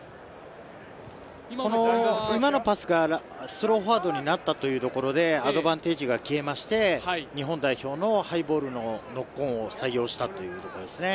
今のパスからスローフォワードになったところでアドバンテージが消えまして、日本代表のハイボールのノックオンを採用したというところですね。